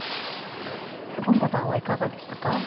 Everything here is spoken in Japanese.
洪五段はいかがでしたか？